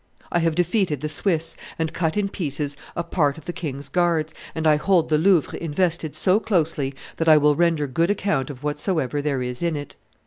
I have defeated the Swiss, and cut in pieces a part of the king's guards, and I hold the Louvre invested so closely that I will render good account of whatsoever there is in it.